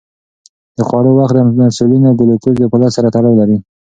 د خوړو وخت د انسولین او ګلوکوز د فعالیت سره تړاو لري.